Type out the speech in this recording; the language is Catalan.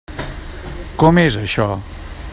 Com és, això?